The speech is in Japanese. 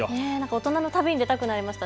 大人の旅に出たくなりました。